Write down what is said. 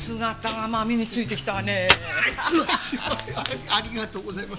ありがとうございます。